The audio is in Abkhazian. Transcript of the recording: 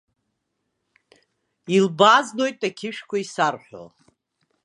Илбааздоит ақьышәқәа исарҳәо.